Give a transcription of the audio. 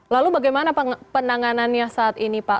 lalu bagaimana penanganannya saat ini pak